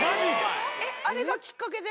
えっあれがきっかけで？